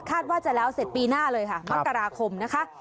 ว่าจะแล้วเสร็จปีหน้าเลยค่ะมกราคมนะคะ